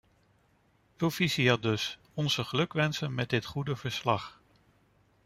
Proficiat dus, onze gelukwensen met dit goede verslag.